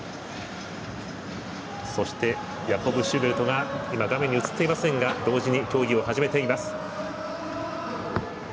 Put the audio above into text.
そして、ヤコブ・シューベルトが画面に映ってはいませんが同時に競技を始めています。